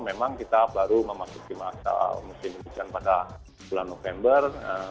memang kita baru memasuki masa musim hujan pada bulan november